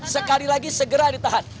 sekali lagi segera ditahan